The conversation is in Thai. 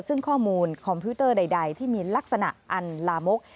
ซึ่งข้อมูลคอมพิวเตอร์ใดที่มีลักษณะอันลามก